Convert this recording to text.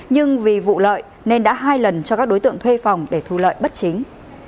nhưng vì vụ lợi nên đã hai lần cho các đối tượng thuê phòng để thu lợi bất chính